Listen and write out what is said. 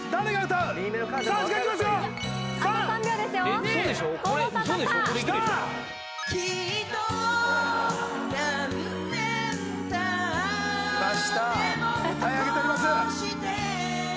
歌い上げております。